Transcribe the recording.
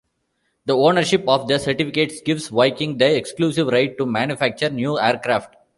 The ownership of the certificates gives Viking the exclusive right to manufacture new aircraft.